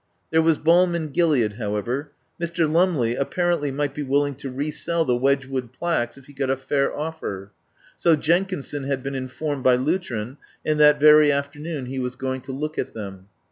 There was balm in Gilead, however. Mr. Lumley apparently might be willing to re sell the Wedgwood plaques if he got a fair offer. So Jenkinson had been informed by Lutrin, and that very afternoon he was going to look at them.